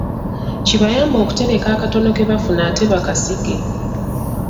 Kibayambe okutereka akatono ke bafuna ate bakasige.